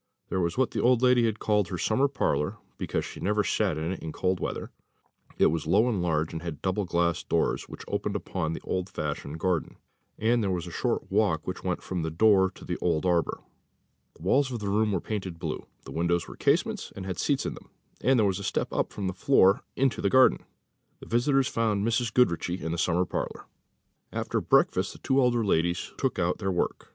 There was what the old lady had called her summer parlour, because she never sat in it in cold weather; it was low and large, and had double glass doors, which opened upon the old fashioned garden; and there was a short walk which went from the door to the old arbour. The walls of the room were painted blue, the windows were casements, and had seats in them, and there was a step up from the floor into the garden. The visitors found Mrs. Goodriche in this summer parlour. After breakfast the two elder ladies took out their work. Mr.